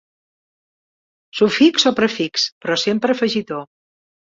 Sufix o prefix, però sempre afegitó.